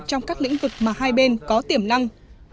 trong các lĩnh vực mà hai bên có tiềm năng